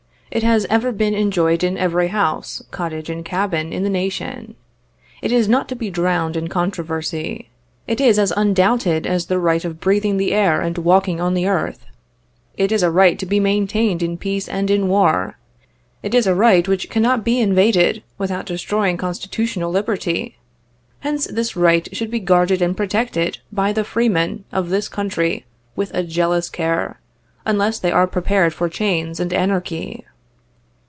It has ever been enjoyed in every house, cottage and cabin in the nation. It is not to be drowned in controversy. It is as undoubted as the right of breathing the air and ivalking on the earth. It is a right to be maintained in peace and in war. It is a right which cannot be invaded without destroying constitu tional liberty. Hence this right should be guarded and protected by the free men of this Country with a jealous care, unless they are prepared for chains and anarchy."